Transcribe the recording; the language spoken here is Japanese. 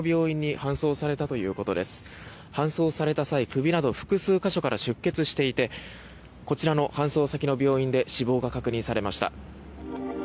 搬送された際首など複数箇所から出血していてこちらの搬送先の病院で死亡が確認されました。